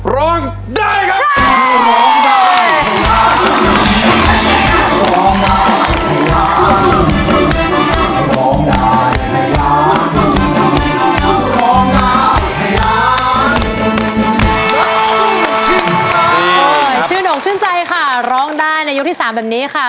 ร้องได้ร้องได้ชื่อนกชื่นใจค่ะร้องได้ในยุคที่สามแบบนี้ค่ะ